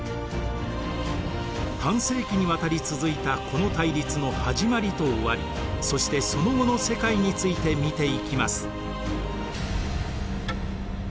半世紀にわたり続いたこの対立の始まりと終わりそしてその後の世界について見ていきます。